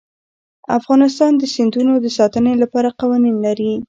افغانستان د سیندونه د ساتنې لپاره قوانین لري.